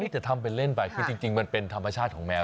แต่ทำเป็นเล่นไปคือจริงมันเป็นธรรมชาติของแมว